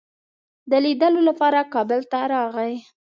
د لیدلو لپاره کابل ته راغی.